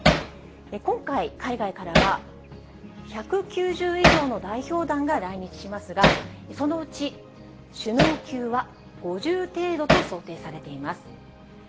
今回、海外からは、１９０以上の代表団が来日しますが、そのうち首脳級は５０程度と想定されています。